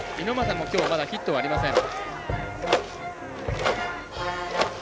猪俣も、きょう、まだヒットはありません。